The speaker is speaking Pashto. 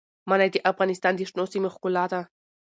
منی د افغانستان د شنو سیمو ښکلا ده.